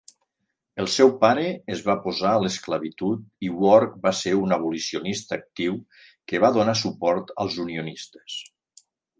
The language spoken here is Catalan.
El seu pare es va oposar a l'esclavitud i Work va ser un abolicionista actiu que va donar suport als unionistes.